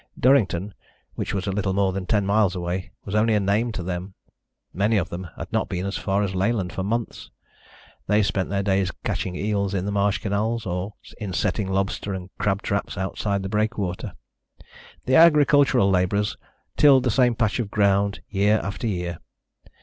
Durrington, which was little more than ten miles away, was only a name to them. Many of them had not been as far as Leyland for months. They spent their days catching eels in the marsh canals, or in setting lobster and crab traps outside the breakwater. The agricultural labourers tilled the same patch of ground year after year.